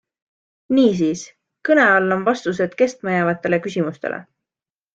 Niisiis, kõne all on vastused kestma jäävatele küsimustele.